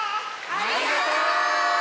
ありがとう！